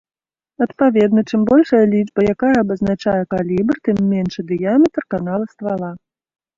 Адпаведна, чым большая лічба, якая абазначае калібр, тым меншы дыяметр канала ствала.